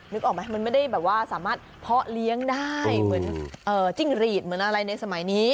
นึกออกไหมมันไม่ได้แบบว่าสามารถเพาะเลี้ยงได้เหมือนจิ้งหรีดเหมือนอะไรในสมัยนี้